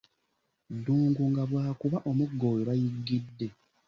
Ddungu nga bw'akuba omuggo we bayigidde.